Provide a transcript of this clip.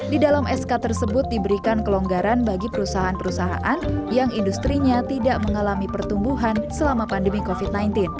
di dalam sk tersebut diberikan kelonggaran bagi perusahaan perusahaan yang industri nya tidak mengalami pertumbuhan selama pandemi covid sembilan belas